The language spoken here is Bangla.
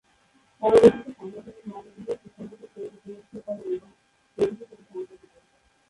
পরবর্তীতে সাংগঠনিক মানগুলির সুসংগত প্রয়োগ উপলব্ধি করে এবং সেগুলির সাথে সম্পর্কিত।